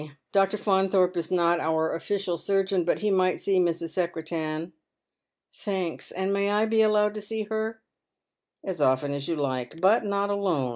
Dr. Faunthorpe is not our oflBcial surgeon, but he might see Mrs. Secretan." " Thanks. And may I be allowed to see her ?"" As often as you like ; but not alone.